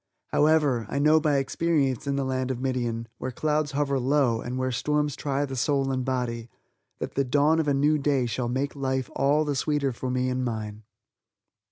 However, I know by experience in the land of Midian, where clouds hover low, and where storms try the soul and body, that the dawn of a new day shall make life all the sweeter for me and mine.